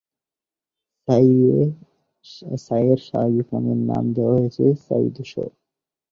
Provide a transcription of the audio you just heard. ছাইয়ের স্বাভাবিক রঙের নাম দেয়া হয়েছে "ছাই-ধূসর"।